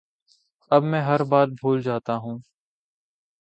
اب میں ہر بات بھول جاتا ہوں